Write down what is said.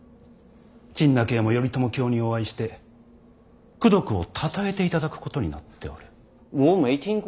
陳和も頼朝卿にお会いして功徳をたたえていただくことになっておる。